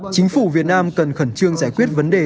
chính phủ việt nam cần khẩn trương giải quyết vấn đề